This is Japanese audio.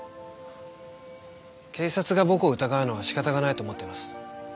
警察が僕を疑うのは仕方がないと思ってます。